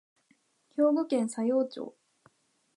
兵庫県佐用町